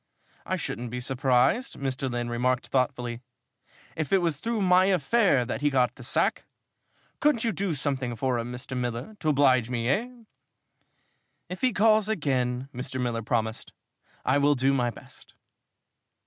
"I shouldn't be surprised," Mr. Lynn remarked thoughtfully, "if it was through my affair that he got the sack. Couldn't you do something for him, Mr. Miller to oblige me, eh?" "If he calls again," Mr. Miller promised, "I will do my best."